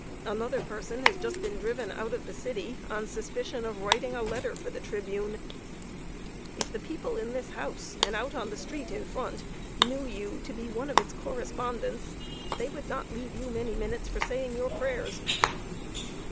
Another person has just been driven out of the city, on suspicion of writing a letter for The Tribune. If the people in this house, and out on the street in front, knew you to be one of its correspondents, they would not leave you many minutes for saying your prayers."